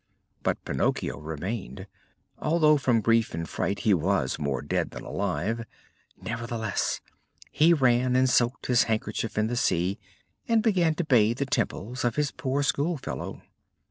But Pinocchio remained. Although from grief and fright he was more dead than alive, nevertheless he ran and soaked his handkerchief in the sea and began to bathe the temples of his poor school fellow.